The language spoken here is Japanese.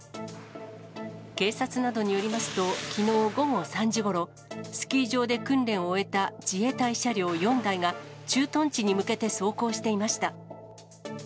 警察などによりますと、きのう午後３時ごろ、スキー場で訓練を終えた自衛隊車両４台が、駐屯地に向けて走行していました。